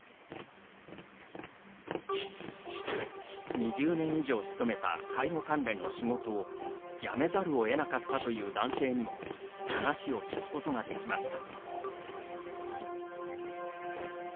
２０年以上勤めた介護関連の仕事を辞めざるをえなかったという男性にも話を聞くことができました。